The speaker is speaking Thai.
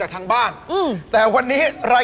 โดยเผ็ดตัว